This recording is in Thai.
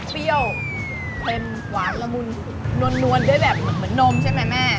เปรี้ยวเต็มหวานละมุนนวลด้วยแบบเหมือนนมใช่ไหมแม่